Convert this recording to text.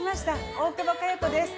大久保佳代子です。